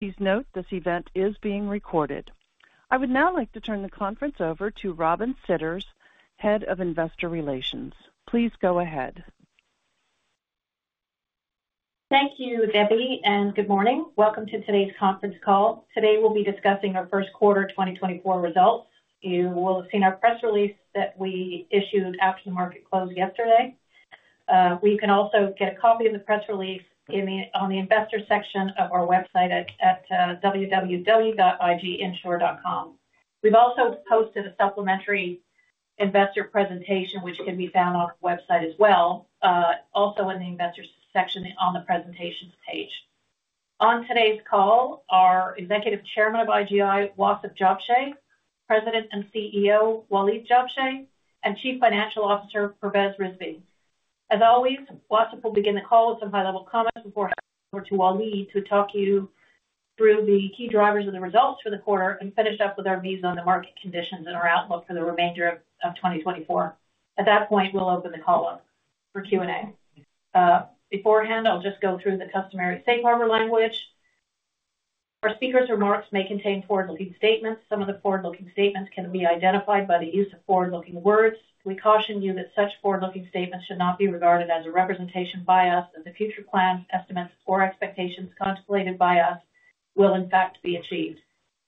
Please note this event is being recorded. I would now like to turn the conference over to Robin Sidders, Head of Investor Relations. Please go ahead. Thank you, Debbie, and good morning. Welcome to today's conference call. Today we'll be discussing our first quarter 2024 results. You will have seen our press release that we issued after the market closed yesterday. We can also get a copy of the press release on the investor section of our website at www.iginsure.com. We've also posted a supplementary investor presentation which can be found on the website as well, also in the investors section on the presentations page. On today's call are Executive Chairman of IGI, Wasef Jabsheh, President and CEO, Waleed Jabsheh, and Chief Financial Officer, Pervez Rizvi. As always, Wasef will begin the call with some high-level comments before handing over to Waleed to talk you through the key drivers of the results for the quarter and finish up with our views on the market conditions and our outlook for the remainder of 2024. At that point, we'll open the call up for Q&A. Beforehand, I'll just go through the customary safe harbor language. Our speaker's remarks may contain forward-looking statements. Some of the forward-looking statements can be identified by the use of forward-looking words. We caution you that such forward-looking statements should not be regarded as a representation by us that the future plans, estimates, or expectations contemplated by us will, in fact, be achieved.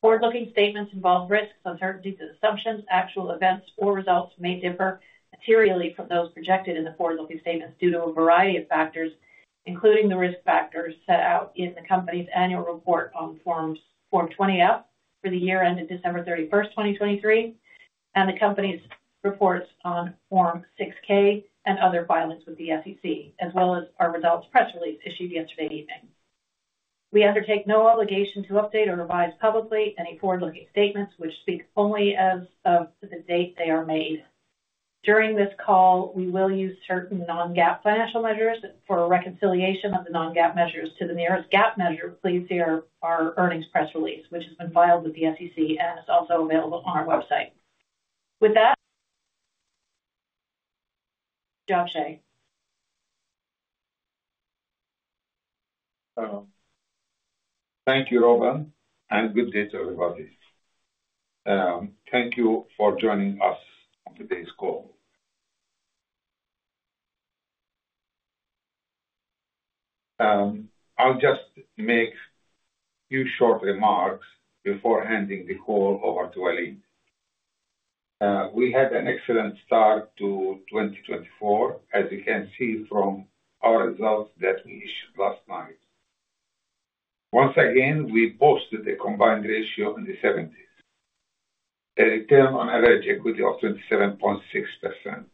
Forward-looking statements involve risks, uncertainties, and assumptions. Actual events or results may differ materially from those projected in the forward-looking statements due to a variety of factors, including the risk factors set out in the company's annual report on Form 20-F for the year ended December 31st, 2023, and the company's reports on Form 6-K and other filings with the SEC, as well as our results press release issued yesterday evening. We undertake no obligation to update or revise publicly any forward-looking statements which speak only as of the date they are made. During this call, we will use certain non-GAAP financial measures for reconciliation of the non-GAAP measures to the nearest GAAP measure. Please see our earnings press release which has been filed with the SEC and is also available on our website. With that. Jabsheh. Thank you, Robin, and good day to everybody. Thank you for joining us on today's call. I'll just make a few short remarks before handing the call over to Waleed. We had an excellent start to 2024, as you can see from our results that we issued last night. Once again, we posted a combined ratio in the 70s, a return on average equity of 27.6%,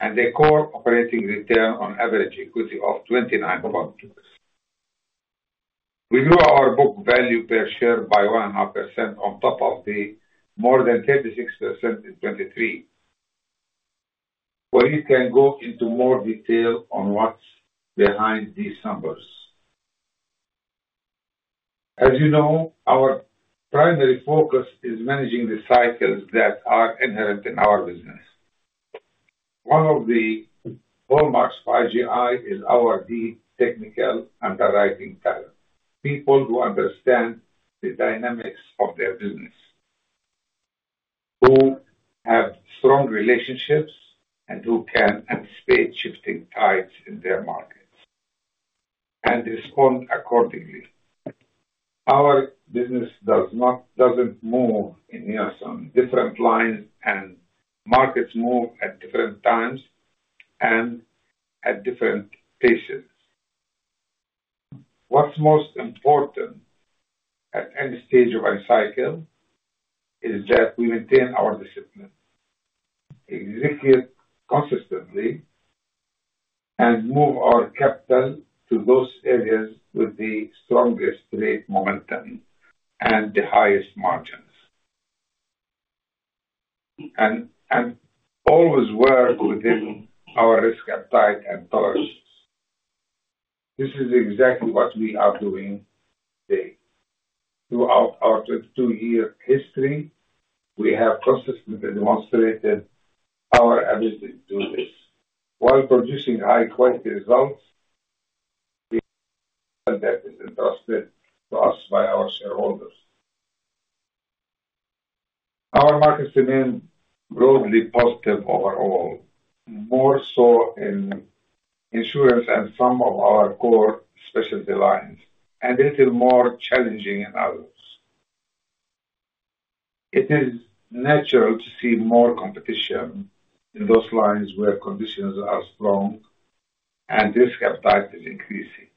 and a core operating return on average equity of 29.6%. We grew our book value per share by 1.5% on top of the more than 36% in 2023. Waleed can go into more detail on what's behind these numbers. As you know, our primary focus is managing the cycles that are inherent in our business. One of the hallmarks for IGI is our deep technical underwriting talent, people who understand the dynamics of their business, who have strong relationships, and who can anticipate shifting tides in their markets and respond accordingly. Our business does not move in near-synchronous different lines, and markets move at different times and at different paces. What's most important at any stage of a cycle is that we maintain our discipline, execute consistently, and move our capital to those areas with the strongest rate momentum and the highest margins, and always work within our risk appetite and tolerances. This is exactly what we are doing today. Throughout our 22-year history, we have consistently demonstrated our ability to do this while producing high-quality results for the capital that is entrusted to us by our shareholders. Our markets remain broadly positive overall, more so in insurance and some of our core specialty lines, and a little more challenging in others. It is natural to see more competition in those lines where conditions are strong and risk appetite is increasing.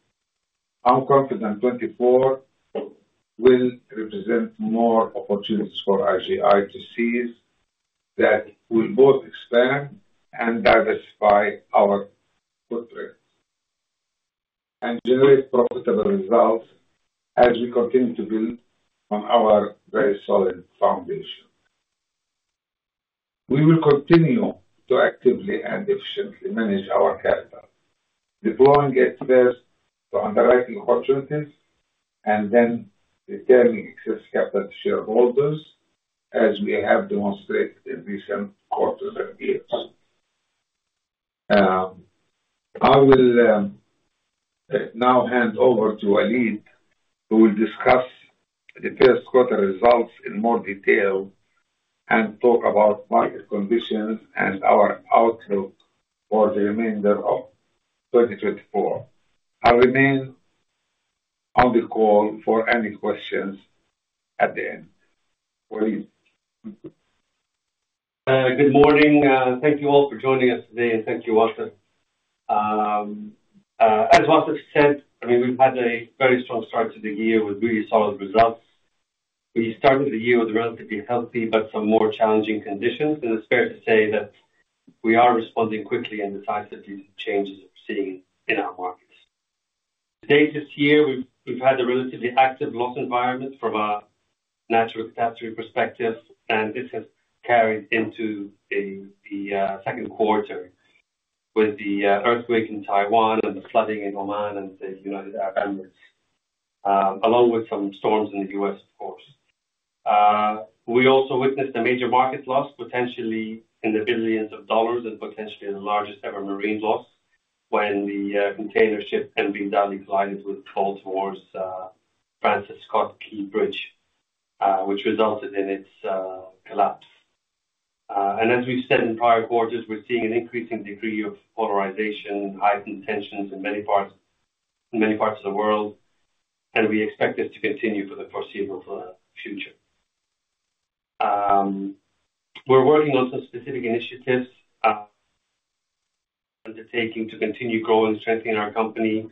I'm confident 2024 will represent more opportunities for IGI to seize that will both expand and diversify our footprint and generate profitable results as we continue to build on our very solid foundation. We will continue to actively and efficiently manage our capital, deploying it first to underwriting opportunities and then returning excess capital to shareholders as we have demonstrated in recent quarters and years. I will now hand over to Waleed who will discuss the first quarter results in more detail and talk about market conditions and our outlook for the remainder of 2024. I'll remain on the call for any questions at the end. Waleed. Good morning. Thank you all for joining us today, and thank you, Wasef. As Wasef said, I mean, we've had a very strong start to the year with really solid results. We started the year with relatively healthy but some more challenging conditions, and it's fair to say that we are responding quickly and decisively to the changes we're seeing in our markets. Today, this year, we've had a relatively active loss environment from a natural catastrophe perspective, and this has carried into the second quarter with the earthquake in Taiwan and the flooding in Oman and the United Arab Emirates, along with some storms in the U.S. of course. We also witnessed a major market loss, potentially in the billions dollars and potentially the largest ever marine loss when the container ship Dali collided with Baltimore's Francis Scott Key Bridge, which resulted in its collapse. And as we've said in prior quarters, we're seeing an increasing degree of polarization, heightened tensions in many parts in many parts of the world, and we expect this to continue for the foreseeable future. We're working on some specific initiatives undertaking to continue growing and strengthening our company,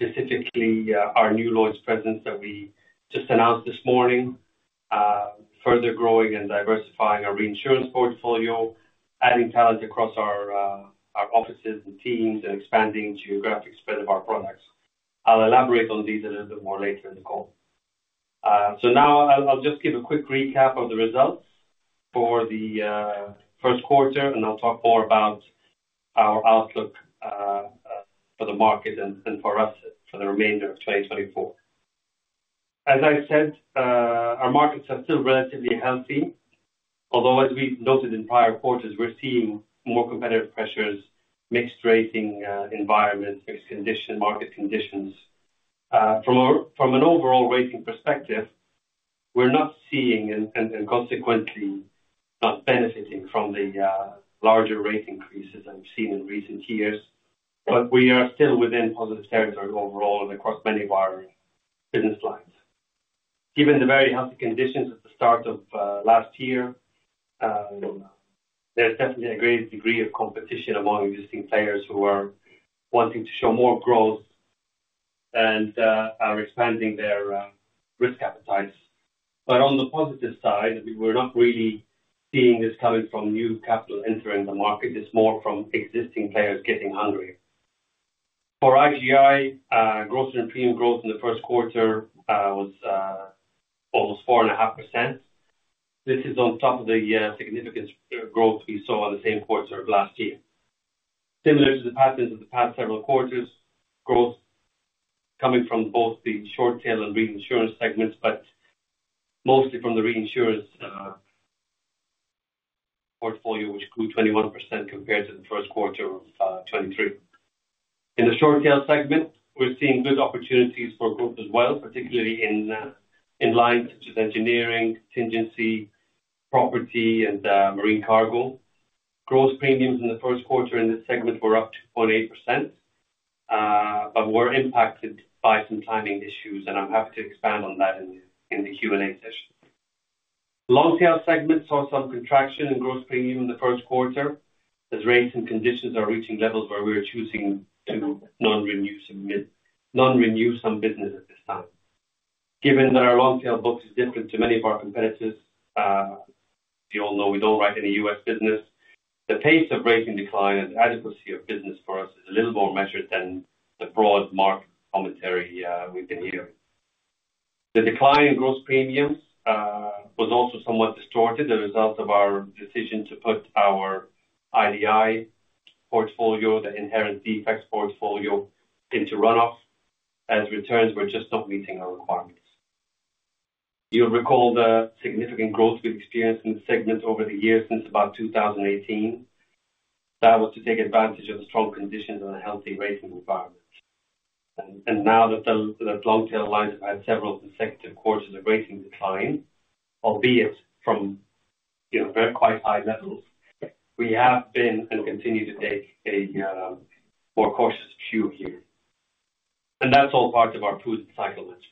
specifically our new Lloyd's presence that we just announced this morning, further growing and diversifying our reinsurance portfolio, adding talent across our our offices and teams, and expanding geographic spread of our products. I'll elaborate on these a little bit more later in the call. So now I'll just give a quick recap of the results for the first quarter, and I'll talk more about our outlook for the market and for us for the remainder of 2024. As I said, our markets are still relatively healthy, although as we've noted in prior quarters, we're seeing more competitive pressures, mixed rating environment, mixed market conditions. From an overall rating perspective, we're not seeing and consequently not benefiting from the larger rate increases I've seen in recent years, but we are still within positive territory overall and across many of our business lines. Given the very healthy conditions at the start of last year, there's definitely a greater degree of competition among existing players who are wanting to show more growth and are expanding their risk appetites. But on the positive side, I mean, we're not really seeing this coming from new capital entering the market. It's more from existing players getting hungry. For IGI, gross premium growth in the first quarter was almost 4.5%. This is on top of the significant growth we saw in the same quarter of last year. Similar to the patterns of the past several quarters, growth coming from both the short-tail and reinsurance segments, but mostly from the reinsurance portfolio which grew 21% compared to the first quarter of 2023. In the short-tail segment, we're seeing good opportunities for growth as well, particularly in lines such as engineering, contingency, property, and marine cargo. Gross premiums in the first quarter in this segment were up 2.8%, but were impacted by some timing issues, and I'm happy to expand on that in the Q&A session. Long-tail segment saw some contraction in gross premium in the first quarter as rates and conditions are reaching levels where we are choosing to non-renew some mid non-renew some business at this time. Given that our long-tail book is different to many of our competitors, as you all know, we don't write any U.S. business, the pace of rating decline and adequacy of business for us is a little more measured than the broad market commentary we've been hearing. The decline in gross premiums was also somewhat distorted as a result of our decision to put our IDI portfolio, the inherent defects portfolio, into runoff as returns were just not meeting our requirements. You'll recall the significant growth we've experienced in this segment over the years since about 2018. That was to take advantage of the strong conditions and a healthy rating environment. And now that the long-tail lines have had several consecutive quarters of rating decline, albeit from, you know, very quite high levels, we have been and continue to take a more cautious view here. That's all part of our prudent cycle management.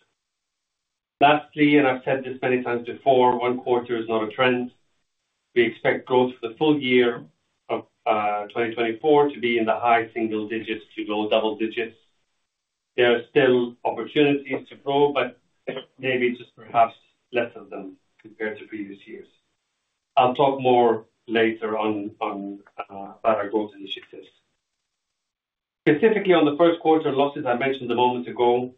Lastly, and I've said this many times before, one quarter is not a trend. We expect growth for the full year of 2024 to be in the high single digits to low double digits. There are still opportunities to grow, but maybe just perhaps less of them compared to previous years. I'll talk more later on about our growth initiatives. Specifically on the first quarter losses I mentioned a moment ago,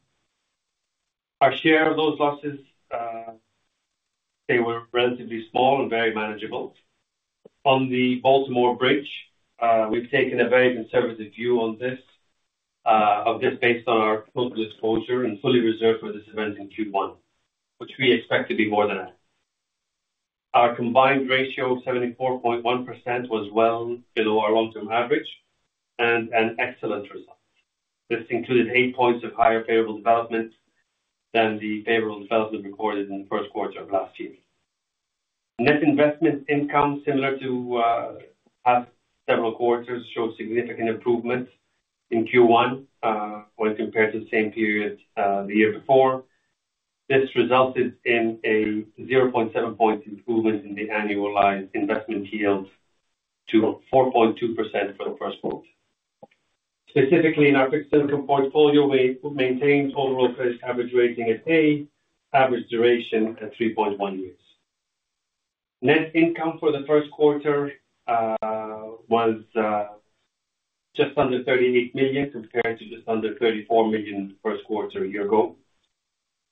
our share of those losses, they were relatively small and very manageable. On the Baltimore Bridge, we've taken a very conservative view on this based on our total exposure and fully reserved for this event in Q1, which we expect to be more than that. Our combined ratio of 74.1% was well below our long-term average and an excellent result. This included eight points of higher favorable development than the favorable development recorded in the first quarter of last year. Net investment income, similar to past several quarters, showed significant improvement in Q1, when compared to the same period the year before. This resulted in a 0.7-point improvement in the annualized investment yield to 4.2% for the first quarter. Specifically in our fixed income portfolio, we maintained overall average rating at A, average duration at 3.1 years. Net income for the first quarter was just under $38 million compared to just under $34 million in the first quarter a year ago.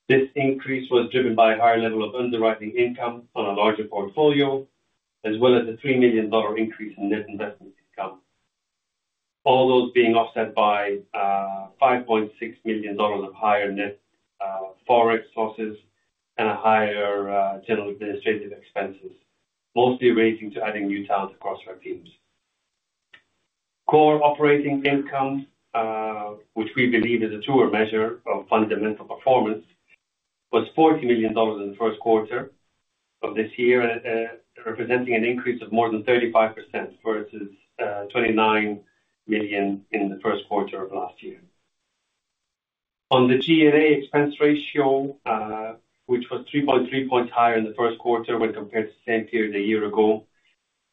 This increase was driven by a higher level of underwriting income on a larger portfolio as well as a $3 million increase in net investment income, all those being offset by $5.6 million of higher net forex losses and higher general administrative expenses, mostly relating to adding new talent across our teams. Core operating income, which we believe is a truer measure of fundamental performance, was $40 million in the first quarter of this year, representing an increase of more than 35% versus $29 million in the first quarter of last year. On the G&A expense ratio, which was 3.3 points higher in the first quarter when compared to the same period a year ago,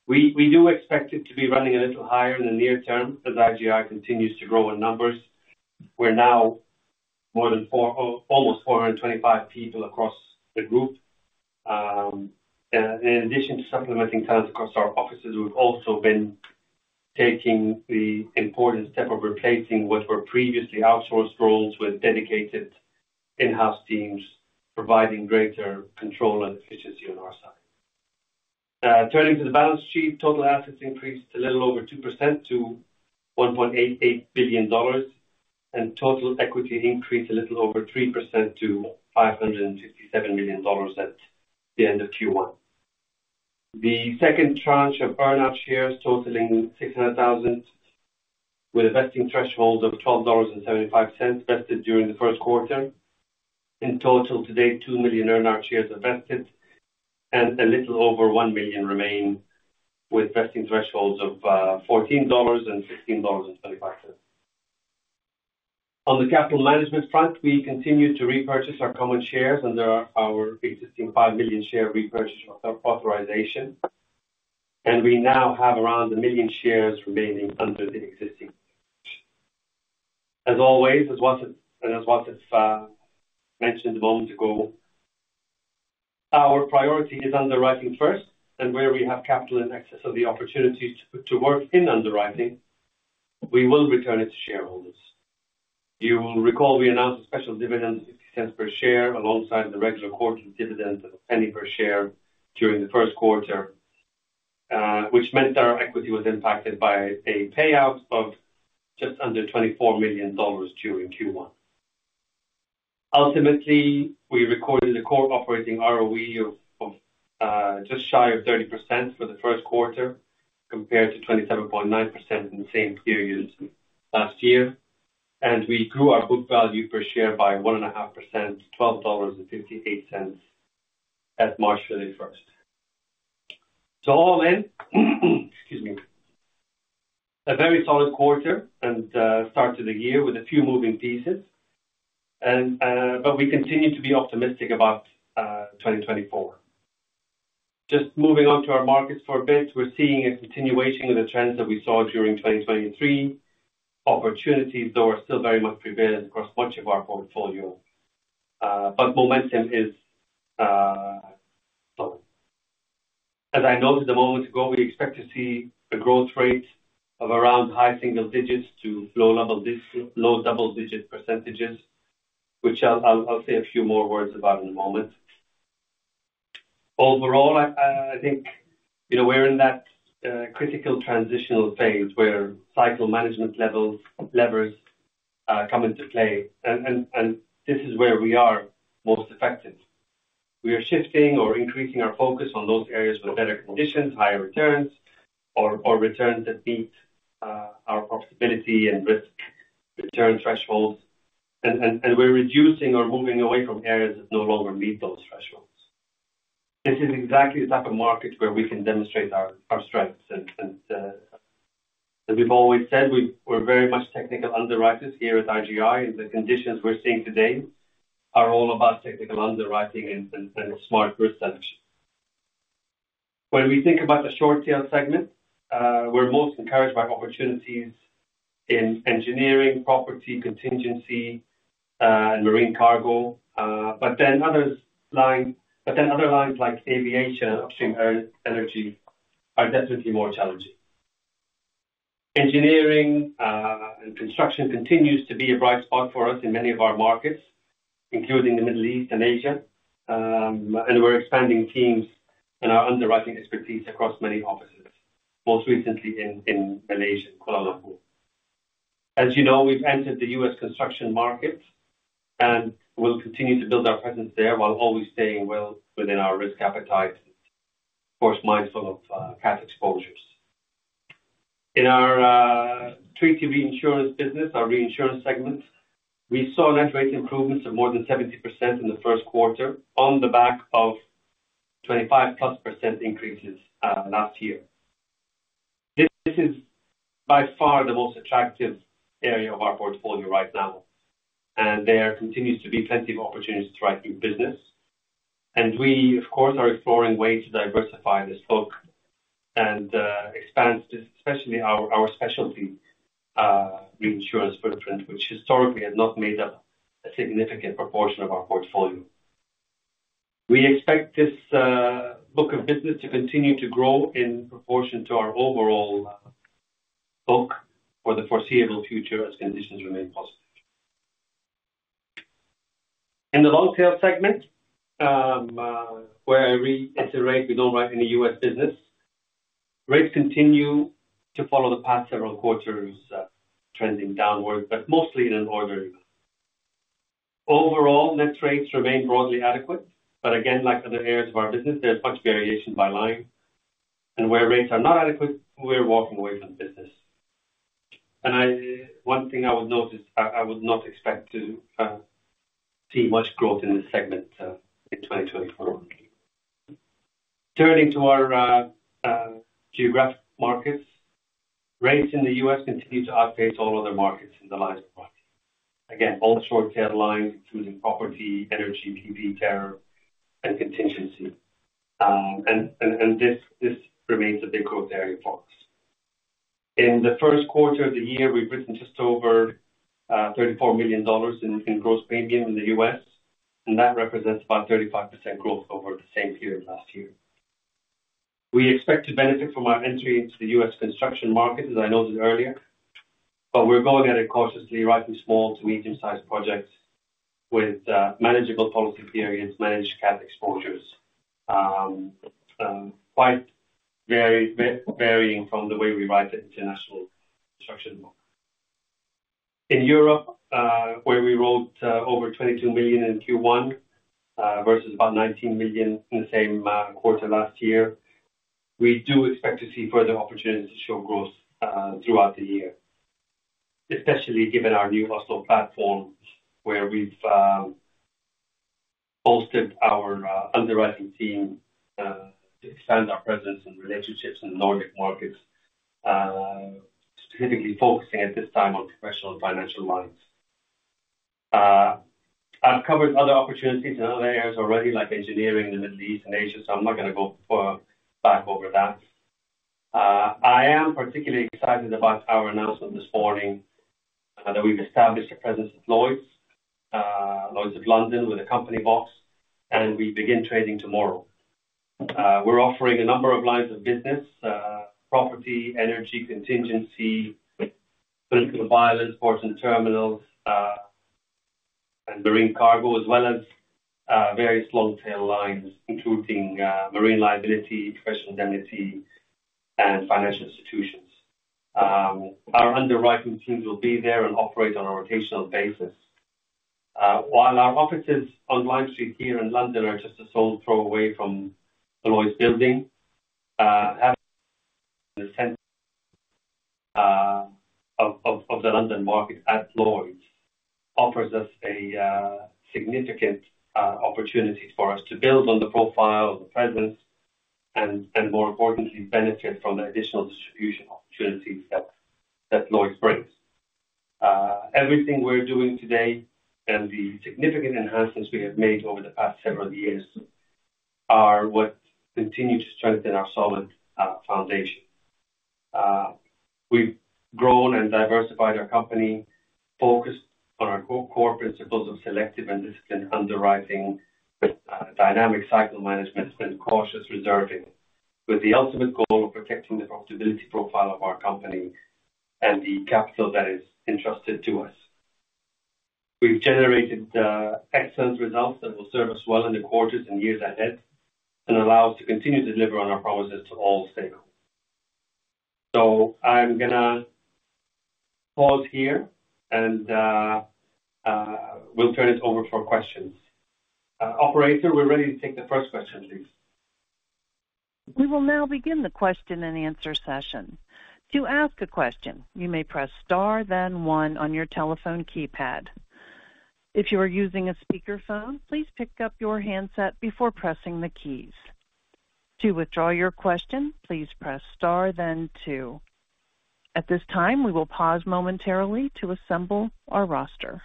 we do expect it to be running a little higher in the near term as IGI continues to grow in numbers. We're now more than 400, almost 425 people across the group. In addition to supplementing talent across our offices, we've also been taking the important step of replacing what were previously outsourced roles with dedicated in-house teams, providing greater control and efficiency on our side. Turning to the balance sheet, total assets increased a little over 2% to $1.88 billion, and total equity increased a little over 3% to $557 million at the end of Q1. The second tranche of earnout shares totaling 600,000 with a vesting threshold of $12.75 vested during the first quarter. In total, today, 2 million earnout shares are vested, and a little over 1 million remain with vesting thresholds of $14 and $16.25. On the capital management front, we continue to repurchase our common shares under our existing 5 million share repurchase authorization, and we now have around 1 million shares remaining under the existing shares. As always, as Wasef and as Wasef mentioned a moment ago, our priority is underwriting first, and where we have capital in excess of the opportunities to to work in underwriting, we will return it to shareholders. You will recall we announced a special dividend of $0.50 per share alongside the regular quarterly dividend of $0.01 per share during the first quarter, which meant that our equity was impacted by a payout of just under $24 million during Q1. Ultimately, we recorded a core operating ROE of just shy of 30% for the first quarter compared to 27.9% in the same period last year, and we grew our book value per share by 1.5% to $12.58 at March 31st. So all in, excuse me. A very solid quarter and start to the year with a few moving pieces. But we continue to be optimistic about 2024. Just moving on to our markets for a bit, we're seeing a continuation of the trends that we saw during 2023. Opportunities, though, are still very much prevalent across much of our portfolio, but momentum is slow. As I noted a moment ago, we expect to see a growth rate of around high single digits to low double digit percentages, which I'll say a few more words about in a moment. Overall, I think, you know, we're in that critical transitional phase where cycle management levels levers come into play, and this is where we are most effective. We are shifting or increasing our focus on those areas with better conditions, higher returns, or returns that meet our profitability and risk return thresholds, and we're reducing or moving away from areas that no longer meet those thresholds. This is exactly the type of market where we can demonstrate our strengths. And as we've always said, we're very much technical underwriters here at IGI, and the conditions we're seeing today are all about technical underwriting and smart risk selection. When we think about the short-tail segment, we're most encouraged by opportunities in engineering, property, contingency, and marine cargo, but other lines like aviation and upstream energy are definitely more challenging. Engineering and construction continues to be a bright spot for us in many of our markets, including the Middle East and Asia, and we're expanding teams and our underwriting expertise across many offices, most recently in Malaysia, Kuala Lumpur. As you know, we've entered the U.S. construction market and will continue to build our presence there while always staying well within our risk appetite, of course, mindful of cat exposures. In our treaty reinsurance business, our reinsurance segment, we saw net rate improvements of more than 70% in the first quarter on the back of 25%+ increases last year. This, this is by far the most attractive area of our portfolio right now, and there continues to be plenty of opportunities to write new business. We, of course, are exploring ways to diversify this book and, expand specially our, our specialty, reinsurance footprint, which historically had not made up a significant proportion of our portfolio. We expect this, book of business to continue to grow in proportion to our overall, book for the foreseeable future as conditions remain positive. In the long-tail segment, where it's a rate, we don't write any U.S. business. Rates continue to follow the past several quarters, trending downward, but mostly in an orderly manner. Overall, net rates remain broadly adequate. But again, like other areas of our business, there's much variation by line. Where rates are not adequate, we're walking away from business. And one thing I would note, I would not expect to see much growth in this segment in 2024. Turning to our geographic markets, rates in the U.S. continue to outpace all other markets in the lines of writing. Again, all short-tail lines, including property, energy, PV, terror, and contingency. And this remains a big growth area for us. In the first quarter of the year, we've written just over $34 million in gross premium in the U.S., and that represents about 35% growth over the same period last year. We expect to benefit from our entry into the U.S. construction market, as I noted earlier, but we're going at it cautiously, writing small to medium-sized projects with manageable policy periods, managed cat exposures, quite varying from the way we write the international construction book. In Europe, where we wrote over $22 million in Q1, versus about $19 million in the same quarter last year, we do expect to see further opportunities to show growth throughout the year, especially given our new Oslo platform where we've bolstered our underwriting team to expand our presence and relationships in the Nordic markets, specifically focusing at this time on professional and financial lines. I've covered other opportunities in other areas already, like engineering in the Middle East and Asia, so I'm not going to go back over that. I am particularly excited about our announcement this morning that we've established a presence at Lloyd's, Lloyd's of London with a company box, and we begin trading tomorrow. We're offering a number of lines of business, property, energy, contingency, political violence, ports and terminals, and marine cargo, as well as various long-tail lines, including marine liability, professional indemnity, and financial institutions. Our underwriting teams will be there and operate on a rotational basis. While our offices on Lime Street here in London are just a stone's throw away from the Lloyd's building, having the center of the London market at Lloyd's offers us a significant opportunity for us to build on the profile, the presence, and more importantly, benefit from the additional distribution opportunities that Lloyd's brings. Everything we're doing today and the significant enhancements we have made over the past several years are what continue to strengthen our solid foundation. We've grown and diversified our company, focused on our core, core principles of selective and disciplined underwriting with dynamic cycle management and cautious reserving, with the ultimate goal of protecting the profitability profile of our company and the capital that is entrusted to us. We've generated excellent results that will serve us well in the quarters and years ahead and allow us to continue to deliver on our promises to all stakeholders. So I'm going to pause here, and we'll turn it over for questions. Operator, we're ready to take the first question, please. We will now begin the question-and-answer session. To ask a question, you may press star, then one on your telephone keypad. If you are using a speakerphone, please pick up your handset before pressing the keys. To withdraw your question, please press star, then two. At this time, we will pause momentarily to assemble our roster.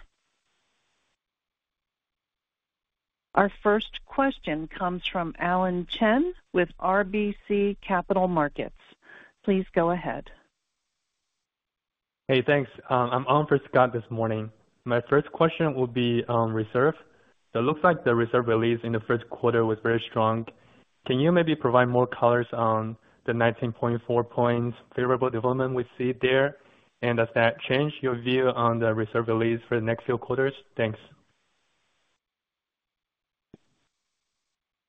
Our first question comes from Alan Chen with RBC Capital Markets. Please go ahead. Hey, thanks. I'm on for Scott this morning. My first question will be, reserves. So it looks like the reserve release in the first quarter was very strong. Can you maybe provide more colors on the 19.4 points favorable development we see there, and does that change your view on the reserve release for the next few quarters? Thanks.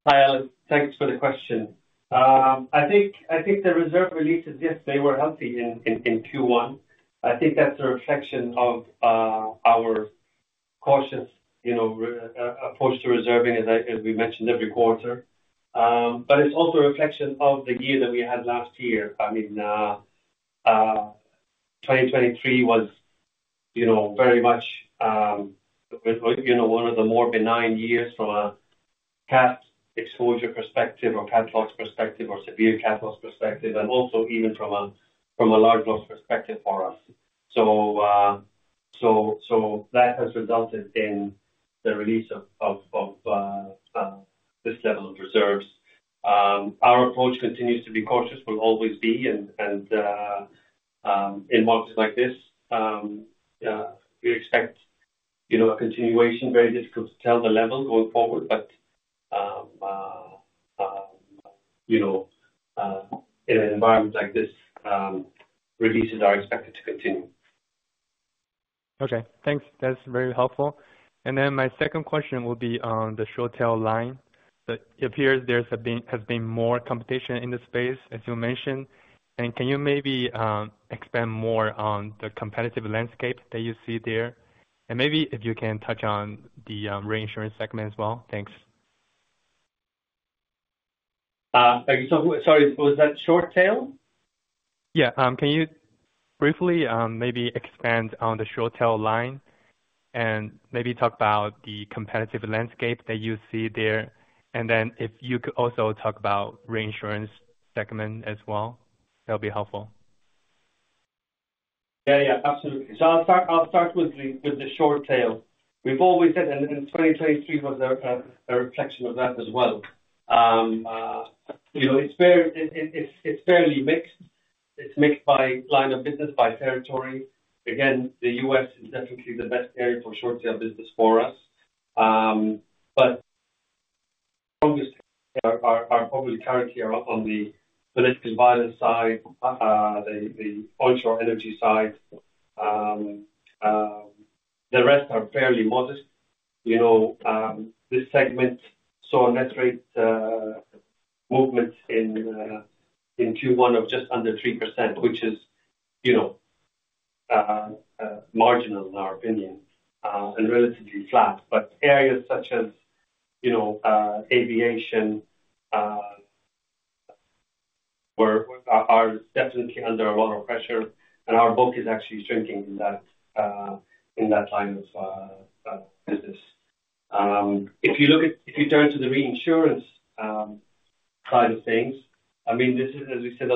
Hi, Alan. Thanks for the question. I think the reserve releases, yes, they were healthy in Q1. I think that's a reflection of our cautious, you know, approach to reserving, as we mentioned every quarter. But it's also a reflection of the year that we had last year. I mean, 2023 was, you know, very much, you know, one of the more benign years from a cat exposure perspective or cat loss perspective or severe cat loss perspective, and also even from a large loss perspective for us. So that has resulted in the release of this level of reserves. Our approach continues to be cautious, will always be, and in markets like this, we expect, you know, a continuation. Very difficult to tell the level going forward, but, you know, in an environment like this, releases are expected to continue. Okay. Thanks. That's very helpful. And then my second question will be on the short-tail line. So it appears there's been more competition in the space, as you mentioned. And can you maybe expand more on the competitive landscape that you see there? Maybe if you can touch on the reinsurance segment as well. Thanks. Thank you. So sorry. Was that short-tail? Yeah. Can you briefly maybe expand on the short-tail line and maybe talk about the competitive landscape that you see there? And then if you could also talk about reinsurance segment as well, that'll be helpful. Yeah, yeah. Absolutely. So I'll start with the short-tail. We've always said and 2023 was a reflection of that as well. You know, it's fairly mixed. It's mixed by line of business, by territory. Again, the U.S. is definitely the best area for short-tail business for us. But the strongest are probably currently on the political violence side, the onshore energy side. The rest are fairly modest. You know, this segment saw net rate movements in Q1 of just under 3%, which is, you know, marginal in our opinion, and relatively flat. But areas such as, you know, aviation, were definitely under a lot of pressure, and our book is actually shrinking in that line of business. If you turn to the reinsurance side of things, I mean, this is as we said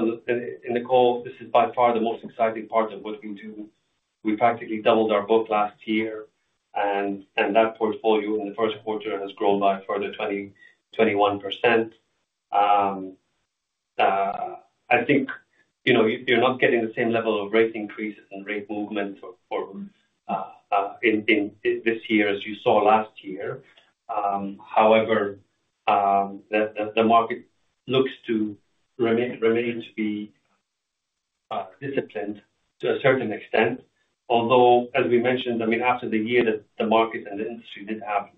in the call, this is by far the most exciting part of what we do. We practically doubled our book last year, and that portfolio in the first quarter has grown by a further 20%-21%. I think, you know, you're not getting the same level of rate increases and rate movements or in this year as you saw last year. However, the market looks to remain disciplined to a certain extent. Although, as we mentioned, I mean, after the year that the market and the industry did have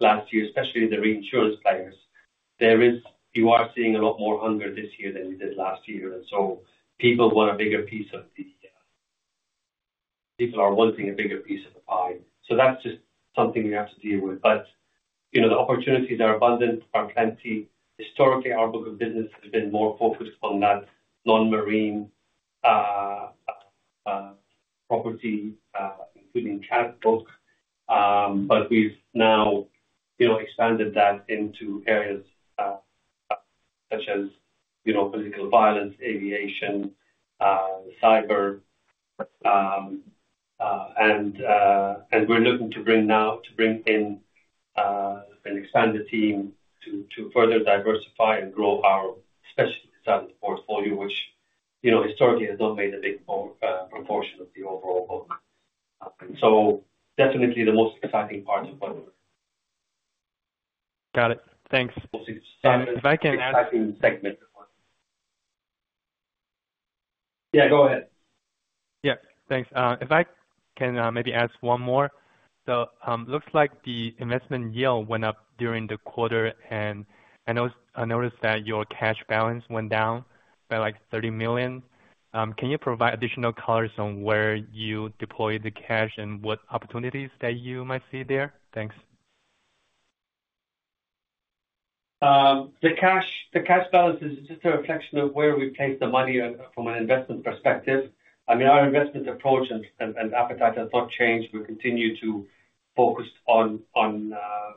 last year, especially the reinsurance players, there, you are seeing a lot more hunger this year than you did last year. And so people are wanting a bigger piece of the pie. So that's just something we have to deal with. But, you know, the opportunities are abundant, plenty. Historically, our book of business has been more focused on that non-marine, property, including cat book. But we've now, you know, expanded that into areas, such as, you know, political violence, aviation, cyber, and we're looking to bring in and expand the team to further diversify and grow, especially the size of the portfolio, which, you know, historically has not made a big proportion of the overall book. So definitely the most exciting part of what we're got it. Thanks. Most exciting segment of what? Yeah, go ahead. Yeah. Thanks. If I can, maybe ask one more. So, looks like the investment yield went up during the quarter, and I noticed that your cash balance went down by like $30 million. Can you provide additional colors on where you deployed the cash and what opportunities that you might see there? Thanks. The cash balance is just a reflection of where we place the money from an investment perspective. I mean, our investment approach and appetite has not changed. We continue to focus on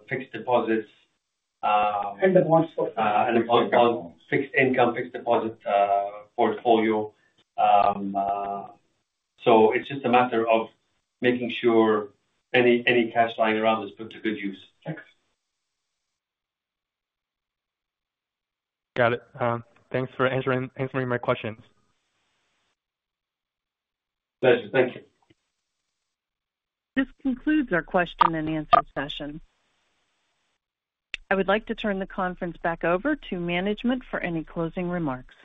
fixed deposits, and the bonds portfolio, and the bonds fixed income, fixed deposit, portfolio. So it's just a matter of making sure any cash lying around is put to good use. Thanks. Got it. Thanks for answering my questions. Pleasure. Thank you. This concludes our question-and-answer session. I would like to turn the conference back over to management for any closing remarks.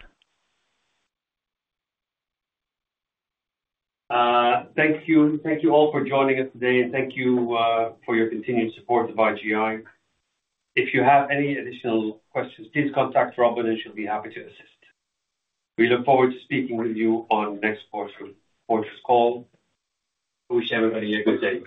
Thank you. Thank you all for joining us today, and thank you for your continued support of IGI. If you have any additional questions, please contact Robin, and she'll be happy to assist. We look forward to speaking with you on the next quarter's call. I wish everybody a great day.